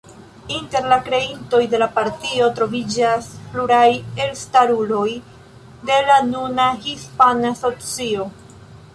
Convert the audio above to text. Inter la kreintoj de la partio troviĝas pluraj elstaruloj de la nuna hispana socio.